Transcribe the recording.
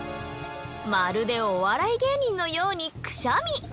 まるでお笑い芸人のようにくしゃみ。